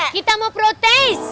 kita mau protes